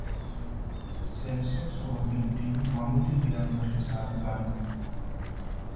Sensex और Nifty मामूली गिरावट के साथ बंद